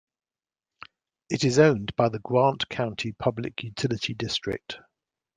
It is owned by the Grant County Public Utility District.